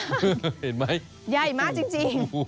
เห็นมั้ยโหโหโหใหญ่มากจริง